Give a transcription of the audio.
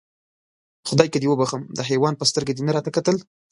خدایکه دې وبښم، د حیوان په سترګه دې نه راته کتل.